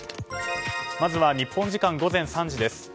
まずは日本時間午前３時です。